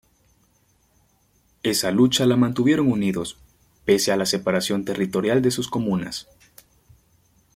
Esa lucha la mantuvieron unidos, pese a la separación territorial de sus comunas.